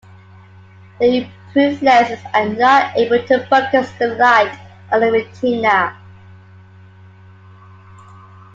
The improved lenses are not able to focus the light on the retina.